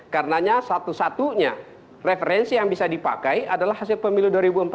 karenanya satu satunya referensi yang bisa dipakai adalah hasil pemilu dua ribu empat belas